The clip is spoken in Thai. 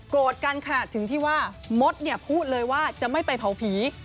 โกรธกันค่ะถึงที่ว่ามดเนี่ยพูดเลยว่าจะไม่ไปเผาผี